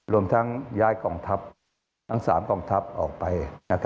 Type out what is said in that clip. รวมทั้งย้ายกองทัพทั้ง๓กองทัพออกไป